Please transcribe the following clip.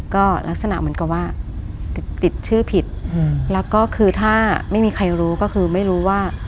ก็ลักษณะเหมือนกับว่าติดติดชื่อผิดแล้วก็คือถ้าไม่มีใครรู้ก็คือไม่รู้ว่า